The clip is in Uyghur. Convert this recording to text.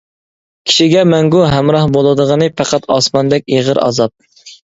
كىشىگە مەڭگۈ ھەمراھ بولىدىغىنى پەقەت ئاسماندەك ئېغىر ئازاب.